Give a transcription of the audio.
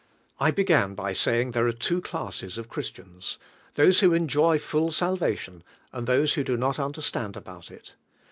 I began by saying there are two .lasses of Christians: those who enjoy full sal vation, and those who do not understand about it.